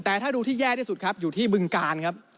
แต่ถ้าดูที่แย่ที่สุดครับอยู่ที่บึงกาลครับ